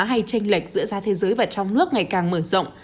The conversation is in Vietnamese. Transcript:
hay tranh lệch giữa giá thế giới và trong nước ngày càng mở rộng